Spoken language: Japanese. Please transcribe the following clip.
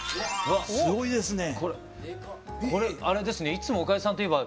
うわすごいですね！